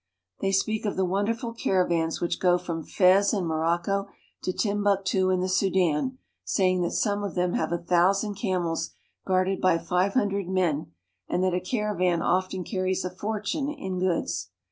They speak of the wonderful caravans which. go from Morocco to Timbuktu in the Sudan, saying that some them have a thousand camels guarded by five hundred nd that a caravan often carries a fortune in goods.